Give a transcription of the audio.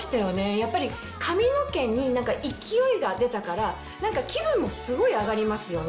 やっぱり髪の毛に勢いが出たから気分もすごい上がりますよね。